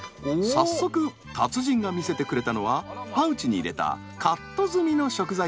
早速達人が見せてくれたのはパウチに入れたカット済みの食材たち。